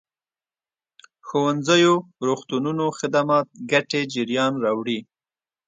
ښوونځيو روغتونونو خدمات ګټې جريان راوړي.